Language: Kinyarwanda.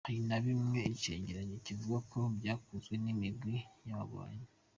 Hari na bimwe icegeranyo kivuga ko vyakozwe n'imigwi y'abagwanyi.